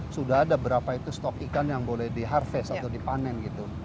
sudah ada berapa itu stok ikan yang boleh di harvest atau dipanen gitu